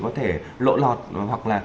có thể lộ lọt hoặc là